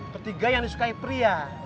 ketiga yang disukai pria